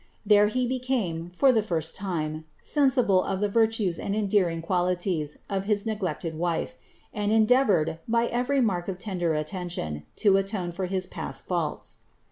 There he became, for the first time, sensible of the virtues and endearing qualities of his neglected wife, and endeavoured, by every mark of tender attention, to atone for his past fiiults.